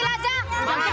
elah jadi miliarder